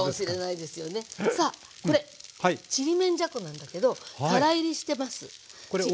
さあこれちりめんじゃこなんだけどからいりしてます。